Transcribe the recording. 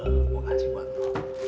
mau kasih bantu